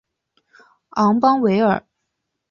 昂邦维尔。